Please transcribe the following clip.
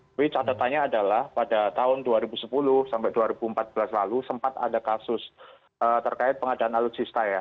tapi catatannya adalah pada tahun dua ribu sepuluh sampai dua ribu empat belas lalu sempat ada kasus terkait pengadaan alutsista ya